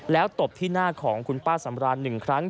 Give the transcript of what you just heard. แล้วตบที่หน้าของคุณป้าสำราน๑ครั้ง